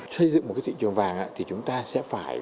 xây dựng một cái thị trường vàng thì chúng ta sẽ phải